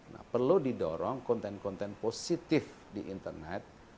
nah perlu didorong konten konten positif di internet